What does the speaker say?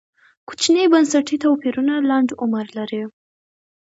کوچني بنسټي توپیرونه لنډ عمر لري.